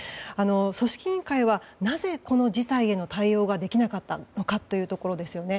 組織委員会はなぜ、この事態への対応ができなかったのかというところですよね。